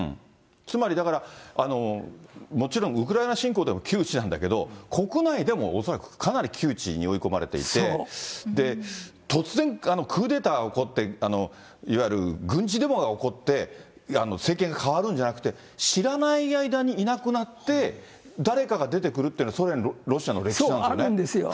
つまりだから、もちろん、ウクライナ侵攻でも窮地なんだけど、国内でも恐らくかなり窮地に追い込まれていて、突然クーデター起こって、いわゆる軍事デモが起こって、政権が代わるんじゃなくて、知らない間にいなくなって、誰かが出てくるっていうのはソ連、ロシアの歴史なんですよね。